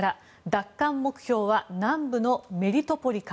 奪還目標は南部のメリトポリか？